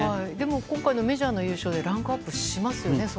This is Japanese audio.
今回のメジャーの優勝で相当ランクアップしますよね？